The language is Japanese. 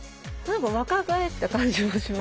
若返った感じもしません？